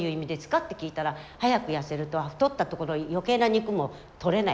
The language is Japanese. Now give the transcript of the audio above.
って聞いたら早く痩せると太ったところ余計な肉も取れない。